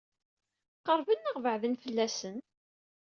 Qeṛben neɣ beɛden fell-asen?